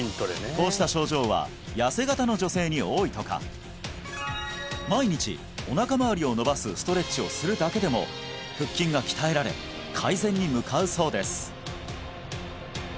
こうした症状は痩せ形の女性に多いとか毎日おなかまわりを伸ばすストレッチをするだけでも腹筋が鍛えられ改善に向かうそうです